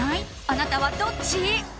あなたはどっち？